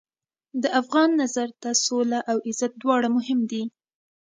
د افغان نظر ته سوله او عزت دواړه مهم دي.